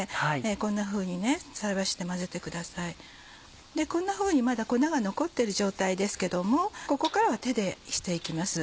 こんなふうにまだ粉が残ってる状態ですけどもここからは手でしていきます。